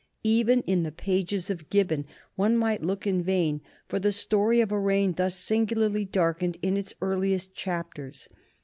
Even in the pages of Gibbon one might look in vain for the story of a reign thus singularly darkened in its earliest chapters.